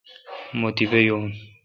مہ تیپہ یون۔